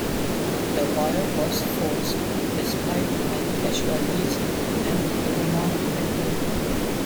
The wire was forced, despite many casualties and Guillemont entered.